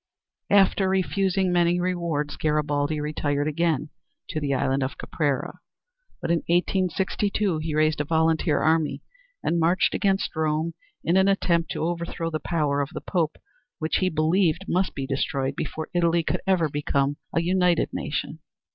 After refusing many rewards Garibaldi retired again to the island of Caprera, but in 1862 he raised a volunteer army and marched against Rome in an attempt to overthrow the power of the Pope which he believed must be destroyed before Italy could ever become a united nation.